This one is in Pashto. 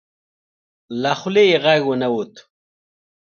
له خولې یې غږ ونه وت.